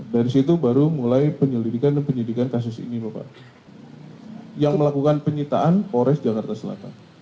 dari situ baru mulai penyelidikan dan penyidikan kasus ini bapak yang melakukan penyitaan polres jakarta selatan